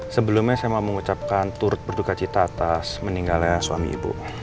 sebelumnya saya mau mengucapkan turut berduka cita atas meninggalnya suami ibu